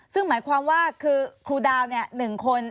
ซึ่งหมายความว่าคือครูดาว๑คน